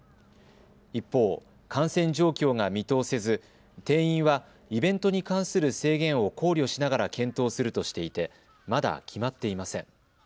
一方、感染状況が見通せず定員はイベントに関する制限を考慮しながら検討するとしていてまだ決まっていません。